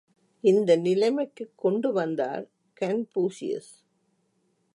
இந்த நிலைமைக்குக் கொண்டு வந்தார் கன்பூஷியஸ்.